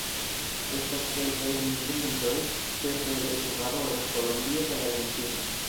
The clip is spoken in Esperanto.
Estas kelkaj enmigrintoj, ĉefe el Ekvadoro, Kolombio kaj Argentino.